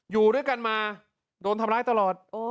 อยู่ด้วยกันมาโดนทำร้ายตลอด